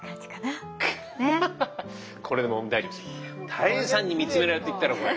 多江さんに見つめられて言われたらこれ。